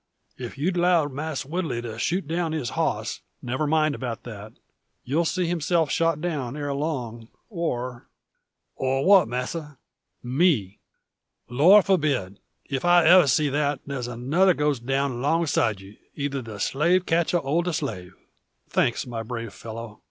If you'd 'lowed Mass Woodley to shoot down his hoss " "Never mind about that. You'll see himself shot down ere long, or " "Or what, masser?" "Me!" "Lor forbid! If I ever see that, there's another goes down long side you; either the slave catcher or the slave." "Thanks, my brave fellow!